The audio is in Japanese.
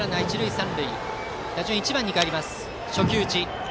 打順は１番にかえります。